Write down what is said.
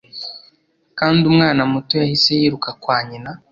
kandi umwana muto yahise yiruka kwa nyina